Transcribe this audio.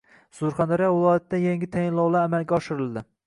Surxondaryo viloyatida yangi tayinlovlar amalga oshirildi